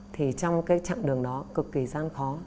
thì trong cái chặng đường đó cực kỳ gian khó